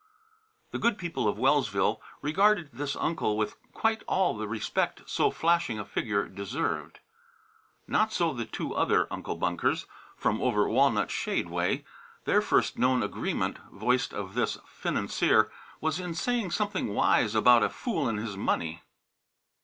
The good people of Wellsville regarded this uncle with quite all the respect so flashing a figure deserved. Not so the two other Uncle Bunkers from over Walnut Shade way. Their first known agreement, voiced of this financier, was in saying something wise about a fool and his money.